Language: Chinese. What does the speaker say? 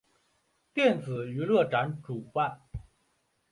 电子娱乐展主办。